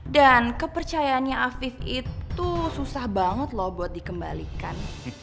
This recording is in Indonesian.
kepercayaannya afif itu susah banget loh buat dikembalikan